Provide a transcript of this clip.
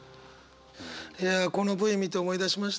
いやこのＶ見て思い出しました。